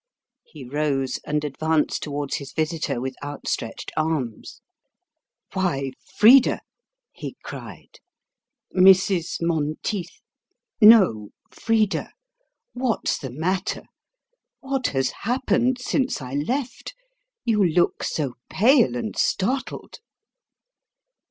He rose, and advanced towards his visitor with outstretched arms. "Why, Frida," he cried, "Mrs. Monteith no, Frida what's the matter? What has happened since I left? You look so pale and startled."